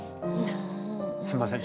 すいません。